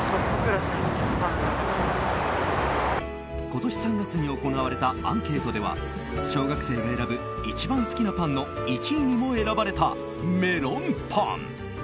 今年３月に行われたアンケートでは小学生が選ぶ一番好きなパンの１位にも選ばれたメロンパン。